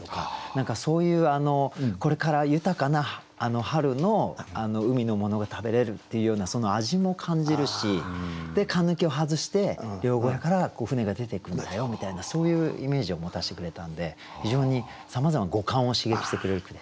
何かそういうこれから豊かな春の海のものが食べれるっていうようなその味も感じるしで閂を外して漁小屋から船が出ていくんだよみたいなそういうイメージを持たしてくれたんで非常にさまざまな五感を刺激してくれる句でしたね。